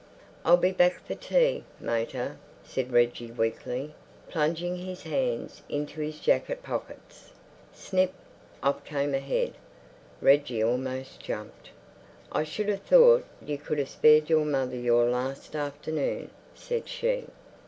"I'll be back for tea, mater," said Reggie weakly, plunging his hands into his jacket pockets. Snip. Off came a head. Reggie almost jumped. "I should have thought you could have spared your mother your last afternoon," said she.